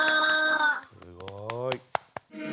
すごい。